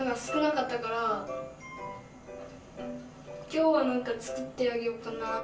今日はなんか作ってあげようかなあ。